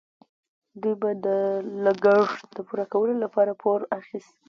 دوی به د لګښت پوره کولو لپاره پور اخیست.